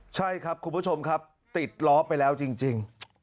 ใช่ครับคุณผู้ชมครับติดล้อไปแล้วจริง